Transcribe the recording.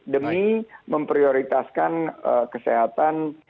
demi memprioritaskan kesehatan